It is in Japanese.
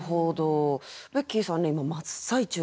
ベッキーさんね今真っ最中ですよね